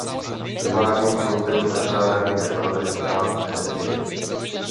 Primárním produktem elektráren je elektrická energie.